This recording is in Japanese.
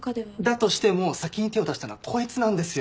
だとしても先に手を出したのはこいつなんですよ。